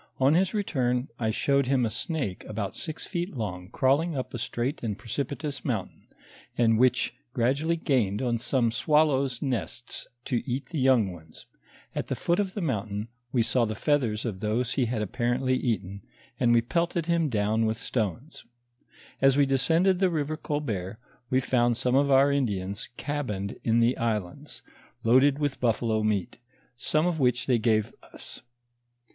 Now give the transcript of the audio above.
On his return, I showed him a snake about six feet long crawling up a straight and precipitous mountain and which gradually gained on some swallows' nests to eat the young ones ; at the foot of the mountain, we saw the feathera of those he had apparently eaten, and we pelted him down with stones. As we descended the river Colbert, we found some of our Indians cabined in the islands, loaded with buffalo meat, some of which they gave us.